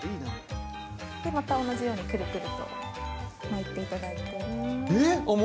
また同じようにくるくると巻いていただいて。